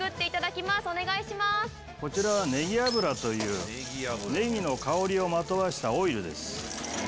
こちらはネギ油というネギの香りをまとわしたオイルです。